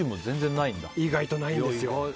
意外とないんですよ。